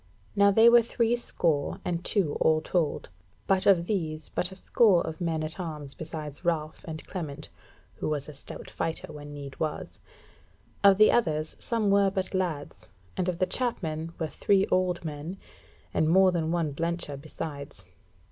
Now they were three score and two all told, but of these but a score of men at arms besides Ralph, and Clement, who was a stout fighter when need was. Of the others, some were but lads, and of the Chapmen were three old men, and more than one blencher besides.